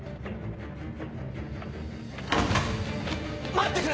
待ってくれ！